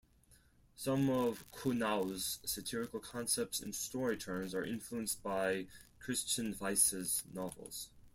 Some of Kuhnau's satirical concepts and story turns are influenced by Christian Weise's novels.